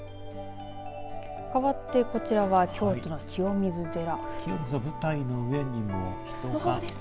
かわって、こちらは京都の清水寺です。